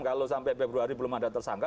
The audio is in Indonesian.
kalau sampai februari belum ada tersangka